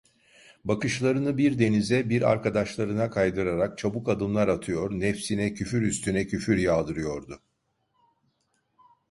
Bakışlarını bir denize, bir arkadaşlarına kaydırarak çabuk adımlar atıyor, nefsine küfür üstüne küfür yağdırıyordu.